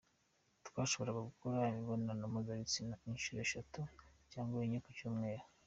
Twashoboraga gukora imibonano mpuzabitsina inshuro eshatu cyangwa enye mu cyumweru.